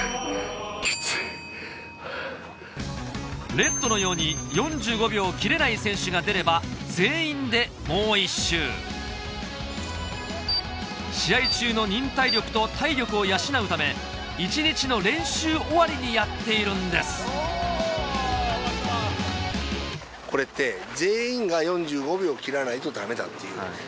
レッドのように４５秒切れない選手が出れば全員でもう１周試合中の忍耐力と体力を養うため一日の練習終わりにやっているんですこれって。何か。